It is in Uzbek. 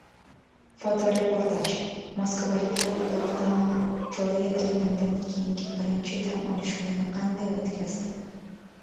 Fotoreportaj: Moskvaliklar lokdaun joriy etilganidan keyingi birinchi dam olish kunini qanday o‘tkazdi?